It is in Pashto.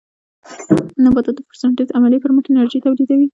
نباتات د فوټوسنټیز عملیې پر مټ انرژي تولیدوي